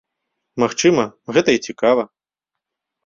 Магчыма, гэта і цікава!